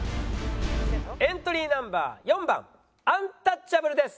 エントリーナンバー４番アンタッチャブルです。